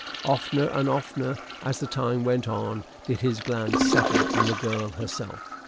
Oftener and oftener, as the time went on, did his glance settle on the girl herself.